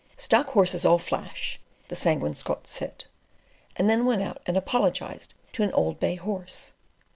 "Stock horses all flash," the Sanguine Scot said, and then went out and apologised to an old bay horse.